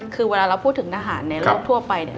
คือเวลาเราพูดถึงทหารในโลกทั่วไปเนี่ย